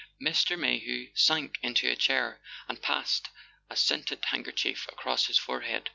Mr. Mayhew sank into a chair and passed a scented handkerchief across his forehead.